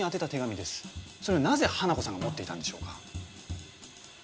それをなぜ花子さんが持っていたんでしょうか。